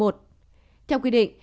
theo quy định